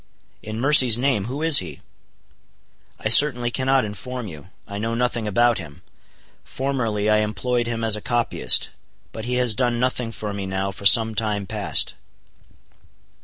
"In mercy's name, who is he?" "I certainly cannot inform you. I know nothing about him. Formerly I employed him as a copyist; but he has done nothing for me now for some time past."